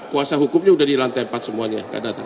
kuasa hukumnya udah di lantai empat semuanya